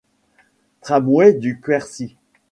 Tramways du Quercy.